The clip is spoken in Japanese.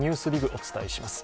お伝えします。